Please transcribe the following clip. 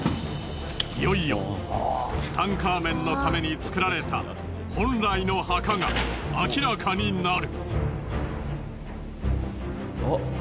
いよいよツタンカーメンのために造られた本来の墓が明らかになる。